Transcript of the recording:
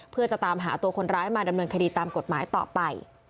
เพื่อจะตามหาตัวคนร้ายมาดำเนินคดีตามกฎหมายต่อไป